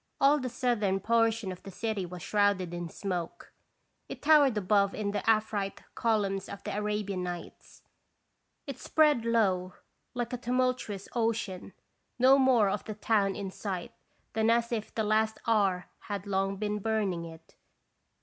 All the southern portion of the city was shrouded in smoke, it towered above in the Afrite columns of the Arabian Nights, it spread low like a tumultuous ocean, no more of the town in sight than as if the Last Hour had long been burning it.